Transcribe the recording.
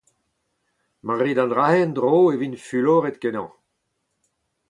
Ma rit se en-dro e vin fuloret-kenañ.